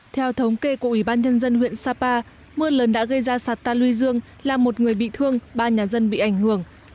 theo thống kê của ủy ban nhân dân huyện sapa mưa lớn đã gây ra sạt ta luy dương làm một người bị thương ba nhà dân bị ảnh hưởng